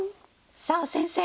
さあ先生